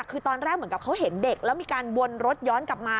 คือตอนแรกเหมือนกับเขาเห็นเด็กแล้วมีการวนรถย้อนกลับมา